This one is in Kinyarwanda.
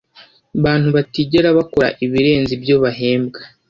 bantu batigera bakora ibirenze ibyo bahembwa